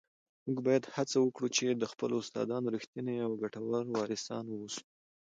موږ باید هڅه وکړو چي د خپلو استادانو رښتیني او ګټور وارثان واوسو.